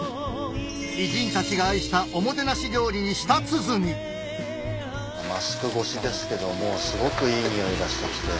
偉人たちが愛したおもてなし料理に舌鼓マスク越しですけどもうすごくいい匂いがしてきて。